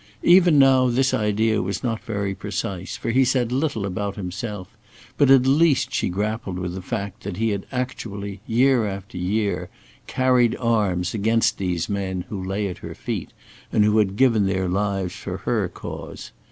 Even now this idea was not very precise, for he said little about himself, but at least she grappled with the fact that he had actually, year after year, carried arms against these men who lay at her feet and who had given their lives for her cause.